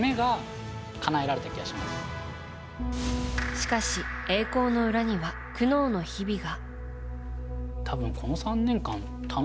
しかし、栄光の裏には苦悩の日々が。